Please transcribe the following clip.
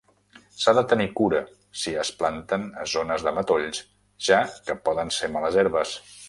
S"ha de tenir cura si es planten a zones de matolls ja què poden ser males herbes.